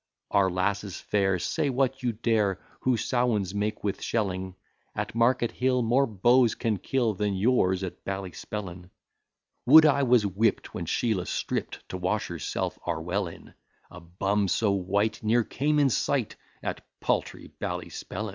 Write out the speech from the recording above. Our lasses fair, say what you dare, Who sowins make with shelling, At Market hill more beaux can kill, Than yours at Ballyspellin. Would I was whipt, when Sheelah stript, To wash herself our well in, A bum so white ne'er came in sight At paltry Ballyspellin.